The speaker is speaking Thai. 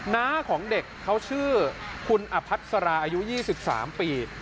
น้าของเด็กเขาชื่อคุณอภัสราอายุ๒๓ปี